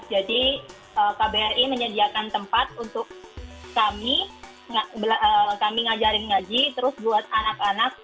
jadi kbri menyediakan tempat untuk kami kami ngajarin ngaji terus buat anak anak